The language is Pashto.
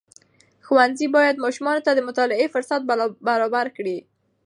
ښوونځي باید ماشومانو ته د مطالعې فرصت برابر کړي.